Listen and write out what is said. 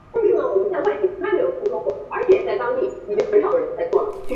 澳洲的外国游客在以中国人游客的平均消费金额最多。